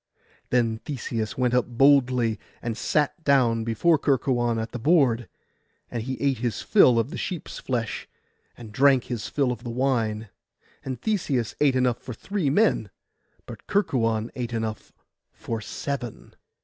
Then Theseus went up boldly, and sat down before Kerkuon at the board; and he ate his fill of the sheep's flesh, and drank his fill of the wine; and Theseus ate enough for three men, but Kerkuon ate enough for seven.